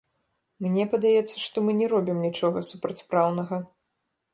Мне падаецца, што мы не робім нічога супрацьпраўнага.